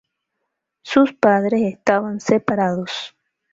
Sus padres estaban separados.